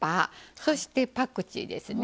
そしてパクチーですね。